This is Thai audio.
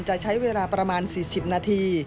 จะใช้เวลาประมาณ๔๐นาที